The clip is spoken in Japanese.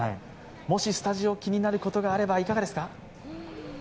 もしスタジオ、気になることがありましたら、いかがですか？